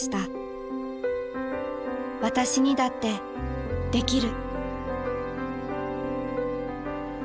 私にだってできる。